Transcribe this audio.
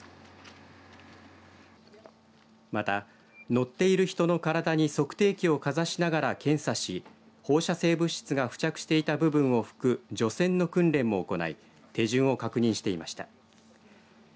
また、乗っている人の体に測定器をかざしながら検査し放射性物質が付着していた部分をふく除染の訓練も行い手順を確認していました。